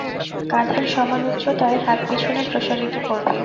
কাধের সমান উচ্চতায় হাত পিছনে প্রসারিত করবে।